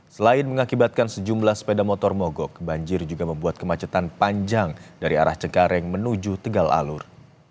selain mengakibatkan sejumlah sepeda motor mogok banjir juga membuat kemacetan panjang dari arah cengkareng menuju tegal alur